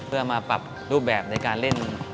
เพื่อมาปรับรูปแบบในการเล่น